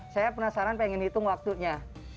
saya penasaran pengen hitung waktunya